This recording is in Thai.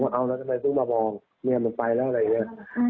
ผมก็เอานักศัพท์ไปดูมามองนี่มันไปแล้วอะไรอย่างเงี้ย